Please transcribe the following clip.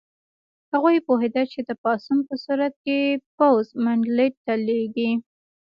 هغوی پوهېدل چې د پاڅون په صورت کې پوځ منډلینډ ته لېږي.